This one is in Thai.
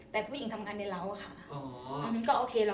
แต่ผู้หญิงทำงานในเหล้าอะค่ะ